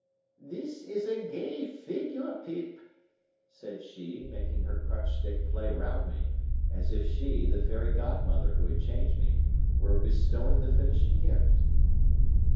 "This is a gay figure, Pip," said she, making her crutch stick play round me, as if she, the fairy godmother who had changed me, were bestowing the finishing gift.